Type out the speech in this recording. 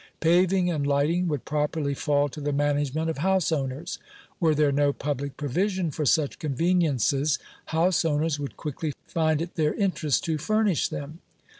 Paving and lighting would properly fall to the management of house owners. Were there no public provision for such conveniences* house owner* would quickly find it their interest to furnish them.